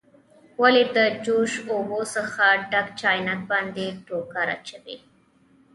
ولې د جوش اوبو څخه ډک چاینک باندې ټوکر اچوئ؟